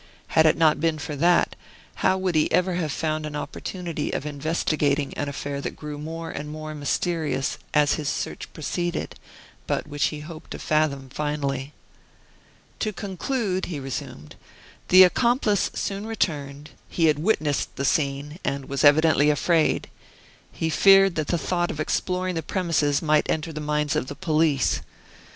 Had it not been for that, how would he ever have found an opportunity of investigating an affair that grew more and more mysterious as his search proceeded, but which he hoped to fathom finally. "To conclude," he resumed, "the accomplice soon returned, he had witnessed the scene, and was evidently afraid. He feared that the thought of exploring the premises might enter the minds of the police.